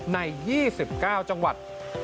ใน๒๙จังหวัด